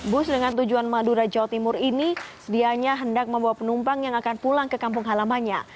bus dengan tujuan madura jawa timur ini sedianya hendak membawa penumpang yang akan pulang ke kampung halamannya